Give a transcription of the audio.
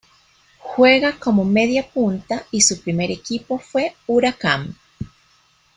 Juega como mediapunta y su primer equipo fue Huracán.